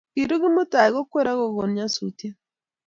Kiru Kimutai Kokwer akokon nyasutiet